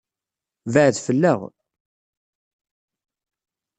Bɛed fell-aɣ.